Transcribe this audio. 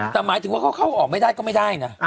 แต่หมายถึงว่าเขาเข้าออกไม่ได้ก็ไม่ได้นะ